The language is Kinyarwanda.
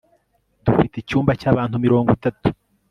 dufite icyumba cyabantu mirongo itatu